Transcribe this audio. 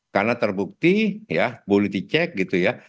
karena terbukti boleh dicek gitu ya